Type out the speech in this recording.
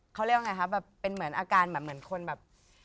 เขาเรียกว่าเป็นเหมือนอาการเหมือนคนแบบ